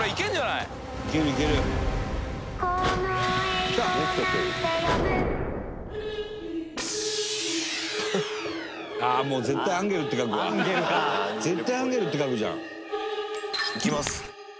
「いきます。